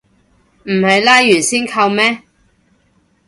唔係拉完先扣咩